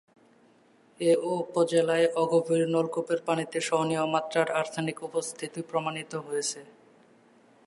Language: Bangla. এ উপজেলার অগভীর নলকূপের পানিতে সহনীয় মাত্রার আর্সেনিকের উপস্থিতি প্রমাণিত হয়েছে।